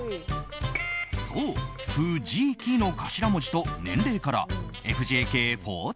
そう、フ・ジ・キの頭文字と年齢からＦＪＫ４９。